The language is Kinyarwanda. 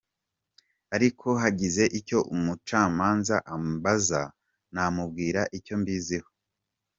Ariko hagize icyo umucamanza ambaza namubwira icyo mbiziho.